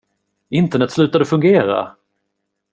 Internet slutade fungera!